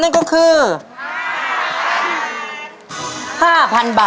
หนึ่งหมื่น